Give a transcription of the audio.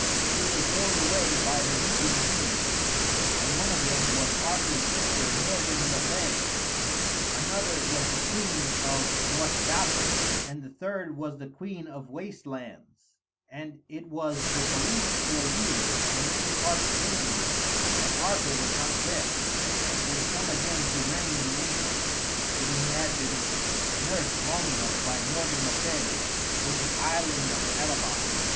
He was rowed away by the weeping queens, and one of them was Arthur's sister Morgan le Fay; another was the queen of Northgalis, and the third was the queen of Waste Lands; and it was the belief for years in many parts of England that Arthur was not dead, but would come again to reign in England, when he had been nursed long enough by Morgan le Fay in the island of Avalon.